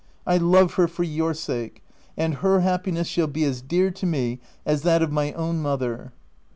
I love her for your sake, and her happiness shall be as dear to me as that of my own mother."